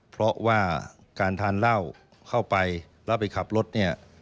เพราะว่าการทานเหล้าเข้าไปแล้วไปขับรถเนี่ย